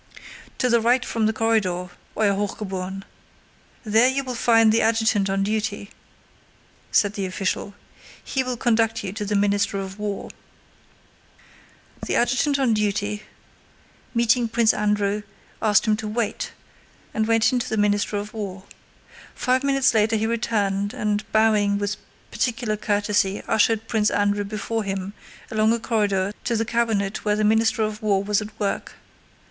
"To the right from the corridor, Euer Hochgeboren! There you will find the adjutant on duty," said the official. "He will conduct you to the Minister of War." The adjutant on duty, meeting Prince Andrew, asked him to wait, and went in to the Minister of War. Five minutes later he returned and bowing with particular courtesy ushered Prince Andrew before him along a corridor to the cabinet where the Minister of War was at work.